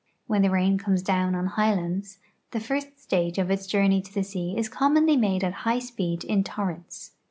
When the rain comes down on highlands, the first stage of its journey to the sea is commonly made at high speed in tor rents.